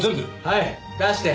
はい出して。